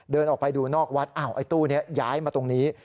เดินออกไปดูนอกวัดอ้าวไอ้ตู้นี้ย้ายมาตรงนี้